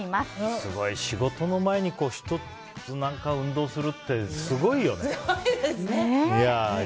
すごい、仕事の前に１つ何か運動するってすごいよね。